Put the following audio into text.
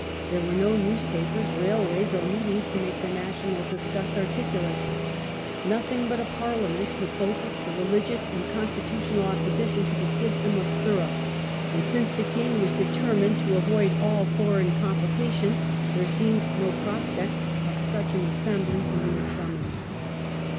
There were no newspapers, railways, or meetings to make the national disgust articulate. Nothing but a Parliament could focus the religious and constitutional opposition to the system of "thorough", and since the king was determined to avoid all foreign complications there seemed no prospect of such an assembly being summoned.